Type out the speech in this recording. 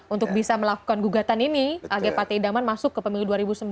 untuk bisa melakukan gugatan ini ag partai idaman masuk ke pemilu dua ribu sembilan belas